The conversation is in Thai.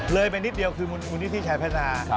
เลยไปนิดเดียวคือมูลนิธิชายพัฒนา